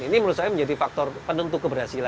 ini menurut saya menjadi faktor penentu keberhasilan